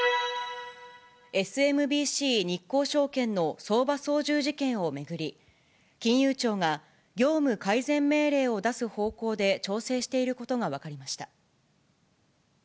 ＳＭＢＣ日興証券の相場操縦事件を巡り、金融庁が業務改善命令を出す方向で調整していることが分かりました。